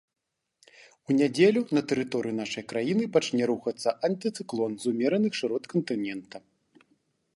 У нядзелю на тэрыторыю нашай краіны пачне рухацца антыцыклон з умераных шырот кантынента.